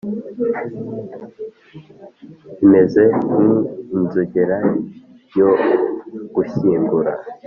imezenki inzogera yo gushyingura.